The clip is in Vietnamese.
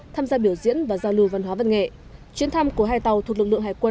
tham gia biểu diễn và giao lưu văn hóa văn nghệ chuyến thăm của hai tàu thuộc lực lượng hải quân